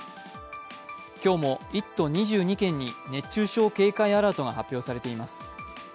今日も１都２２県に熱中症警戒アラートが発表されています。